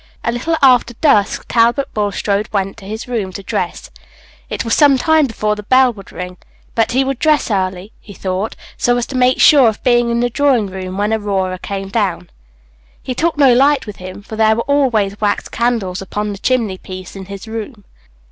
A little after dusk, Talbot Bulstrode went to his room to dress. It was some time before the bell would ring; but he would dress early, he thought, so as to make sure of being in the drawing room when Aurora came down. He took no light with him, for there were always wax candles upon the chimney piece in his room.